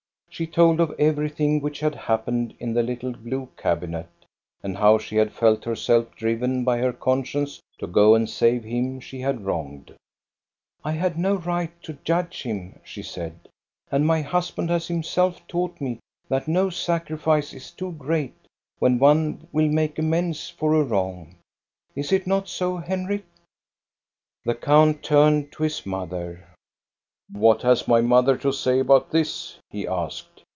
She told of everything which had happened in the little blue cabinet, and how she had felt herself driven by her conscience to go and save him she had wronged. I had no right to judge him," she said, " and my husband has himself taught me that no sacrifice is too great when one will make amends for a wrong. Is it not so, Henrik? " The count turned to his mother. What has my mother to say about this?" he asked.